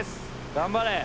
頑張れ。